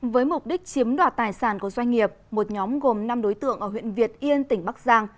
với mục đích chiếm đoạt tài sản của doanh nghiệp một nhóm gồm năm đối tượng ở huyện việt yên tỉnh bắc giang